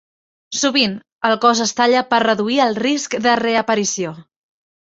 Sovint, el cos es talla per reduir el risc de reaparició.